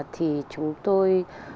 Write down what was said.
thì chúng tôi